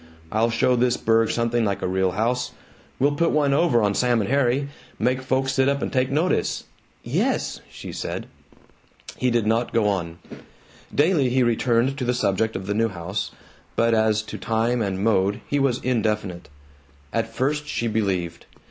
I'll show this burg something like a real house! We'll put one over on Sam and Harry! Make folks sit up an' take notice!" "Yes," she said. He did not go on. Daily he returned to the subject of the new house, but as to time and mode he was indefinite. At first she believed.